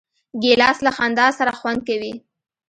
ګیلاس له خندا سره خوند کوي.